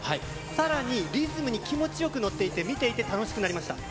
さらに、リズムに気持ちよく乗っていて、見ていて楽しくなりました。